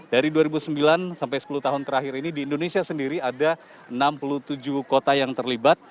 dari dua ribu sembilan sampai sepuluh tahun terakhir ini di indonesia sendiri ada enam puluh tujuh kota yang terlibat